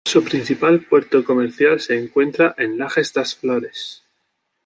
Su principal puerto comercial se encuentra en Lajes das Flores.